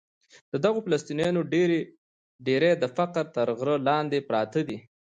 د دغو فلسطینیانو ډېری د فقر تر غره لاندې پراته دي.